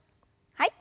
はい。